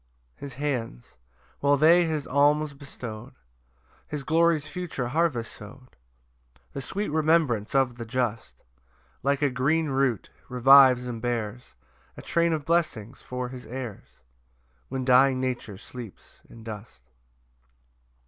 3 His hands, while they his alms bestow'd, His glory's future harvest sow'd; The sweet remembrance of the just, Like a green root, revives and bears A train of blessings for his heirs, When dying nature sleeps in dust.